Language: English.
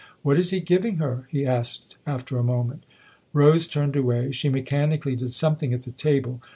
"What is he giving her ?" he asked after a moment Rose turned away; she mechanically did some thing at the table.